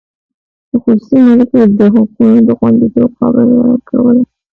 د خصوصي مالکیت د حقونو د خوندیتوب خبره کوله.